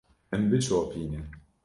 Min bişopîne.